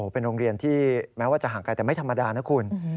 เป็นโรงเรียนที่แม้ว่าจะห่างไกลแต่ไม่ธรรมดานะคุณ